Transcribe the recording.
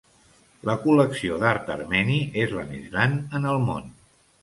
La col·lecció d'art armeni és la més gran en el món.